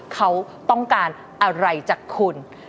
เขาต้องการอะไรจากคุณ